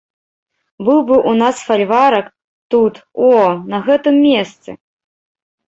Быў бы ў нас фальварак, тут, о, на гэтым месцы.